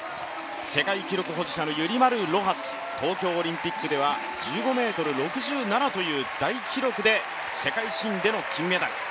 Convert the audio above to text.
世界記録保持者のユリマル・ロハス東京オリンピックでは１５ｍ６７という大記録で世界新での金メダル。